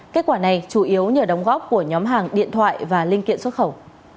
kết quả này chủ yếu nhờ đóng góp của nhóm hàng điện thoại và linh kiện xuất khẩu